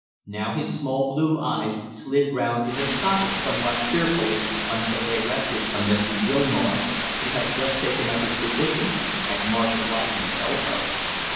Now his small blue eyes slid round in their sockets somewhat fearfully until they rested on Mr. Gilmore, who had just taken up his position at Marshall Langham's elbow.